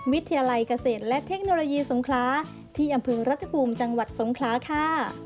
วิทยาลัยเกษตรและเทคโนโลยีสงคราที่อำเภอรัฐภูมิจังหวัดสงคลาค่ะ